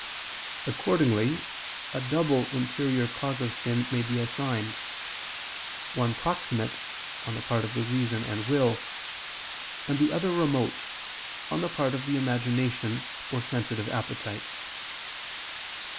Accordingly a double interior cause of sin may be assigned; one proximate, on the part of the reason and will; and the other remote, on the part of the imagination or sensitive appetite.